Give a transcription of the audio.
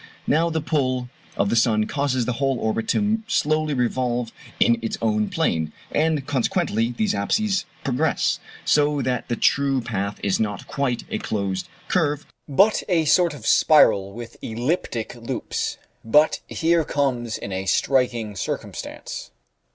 Now the pull of the sun causes the whole orbit to slowly revolve in its own plane, and consequently these apses "progress," so that the true path is not quite a closed curve, but a sort of spiral with elliptic loops. But here comes in a striking circumstance.